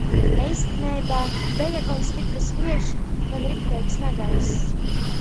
Eistineibā beja gon styprs viejš, gon rikteigs nagaiss.